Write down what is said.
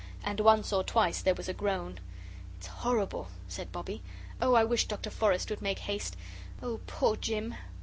And once or twice there was a groan. "It's horrible," said Bobbie. "Oh, I wish Dr. Forrest would make haste. Oh, poor Jim!"